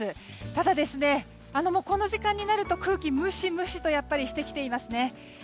ただ、この時間になると空気がムシムシとしてきていますね。